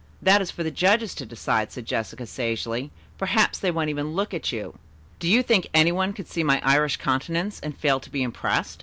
"That is for the judges to decide," said Jessica sagely. "Perhaps they won't even look at you." "Do you think any one could see my Irish countenance and fail to be impressed?"